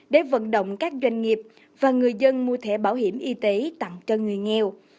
để vận động các doanh nghiệp và người dân mua thẻ bảo hiểm y tế tặng cho người nghèo